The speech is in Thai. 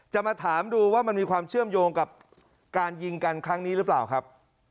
จะมาถามดูว่ามันมีความเชื่อมโยงกับการยิงกันครั้งนี้หรือเปล่าครับ